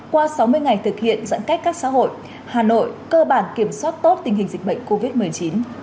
qua sáu mươi ngày thực hiện giãn cách các xã hội hà nội cơ bản kiểm soát tốt tình hình dịch bệnh covid một mươi chín